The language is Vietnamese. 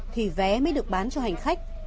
thì vé mới được bán cho hành khách